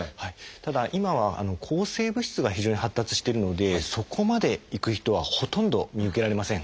ただ今は抗生物質が非常に発達してるのでそこまでいく人はほとんど見受けられません。